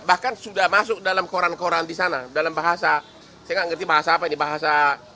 bahkan sudah masuk dalam koran koran di sana dalam bahasa saya nggak ngerti bahasa apa ini bahasa